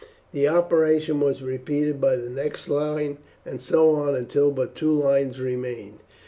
The operation was repeated by the next line, and so on until but two lines remained.